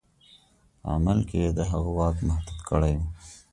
په عمل کې یې د هغه واک محدود کړی وو.